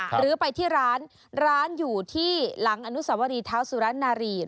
หรือไปที่ร้านร้านอยู่ที่หลังอนุสวรีเท้าสุรรณารี